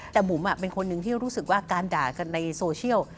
แต่บุ๋มเป็นคนหนึ่งที่รู้สึกว่าการด่ากันในโซเชียล